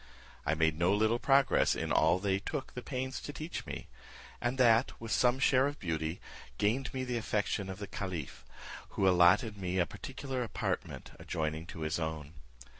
I made no little progress in all they took the pains to teach me; and that, with some share of beauty, gained me the affection of the caliph, who allotted me a particular apartment adjoining to his own.